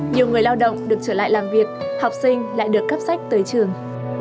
nhiều người lao động được trở lại làm việc học sinh lại được cấp sách tới trường